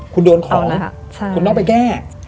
คุณต้องไปแก้